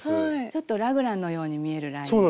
ちょっとラグランのように見えるラインで。